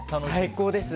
最高です。